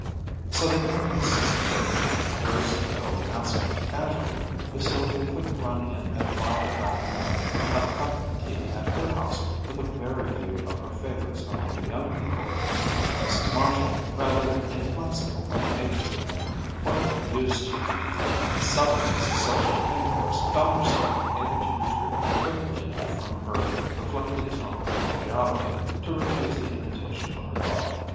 So that when Mrs. Draper rose to go and asked casually if Sylvia couldn't run in at five that afternoon to have a cup of tea at her house with a very few of her favorites among the young people, Mrs. Marshall, rather inflexible by nature and quite unused to the subtleties of social intercourse, found herself unable to retreat quickly enough from her reflected tone of cordiality to refuse the invitation for her daughter.